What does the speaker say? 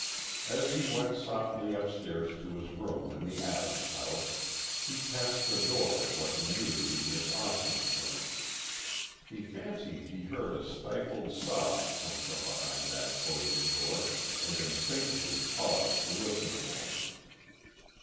As he went softly upstairs to his room in the Adams house, he passed the door of what he knew to be Miss Austin's room. He fancied he heard a stifled sob come from behind that closed door, and instinctively paused to listen a moment.